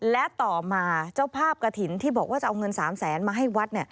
และต่อมาเจ้าภาพกระถิ่นที่บอกว่าจะเอาเงิน๓แสนมาให้วัด